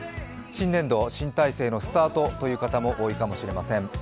新年度、新体制のスタートという方も多いかもしれません。